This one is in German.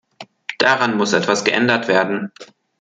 Daran muss etwas geändert werden.